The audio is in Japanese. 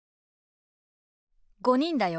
５人だよ。